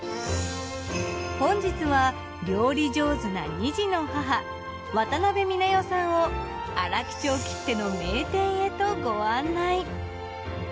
本日は料理上手な二児の母渡辺美奈代さんを荒木町きっての名店へとご案内。